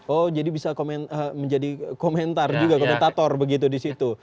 oh jadi bisa menjadi komentar juga komentator begitu disitu